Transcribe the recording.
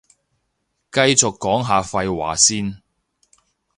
繼續講下廢話先